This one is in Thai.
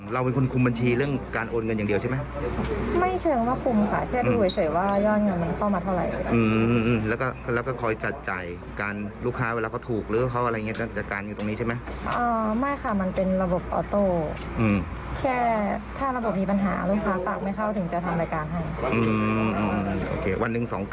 ล้านหนึ่ง๒กะกะละ๑๒ชั่วโมงประมาณแสงค่ะ